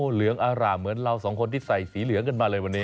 เหลืองอารามเหมือนเราสองคนที่ใส่สีเหลืองกันมาเลยวันนี้